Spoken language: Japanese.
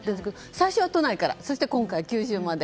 最初は都内からそして今回、九州まで。